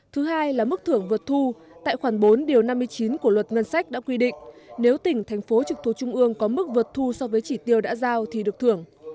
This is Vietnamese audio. thứ hai là mức thưởng vượt thu tại khoảng bốn điều năm mươi chín của luật ngân sách đã quy định nếu tỉnh thành phố trực thuộc trung ương có mức vượt thu so với chỉ tiêu đã giao thì được thưởng